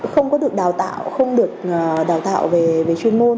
không có được đào tạo không được đào tạo về chuyên môn